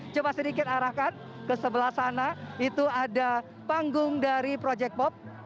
coba sedikit arahkan ke sebelah sana itu ada panggung dari project pop